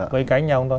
vây cánh nhau đó